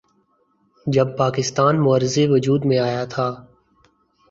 جب پاکستان معرض وجود میں آیا تھا۔